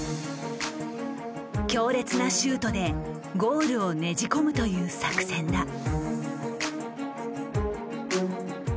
強烈なシュートでゴールを捻じ込むという作戦だ。